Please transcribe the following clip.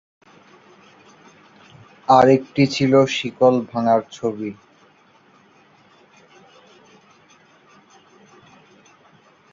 আরেকটি ছিল শিকল ভাঙার ছবি।